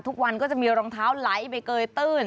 ทุกวันก็จะมีรองเท้าไหลไปเกยตื้น